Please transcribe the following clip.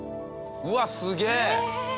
うわっすげえ！